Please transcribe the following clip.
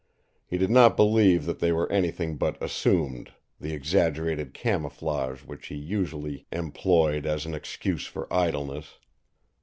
He did not believe that they were anything but assumed, the exaggerated camouflage which he usually employed as an excuse for idleness.